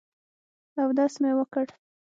اودس مې وکړ.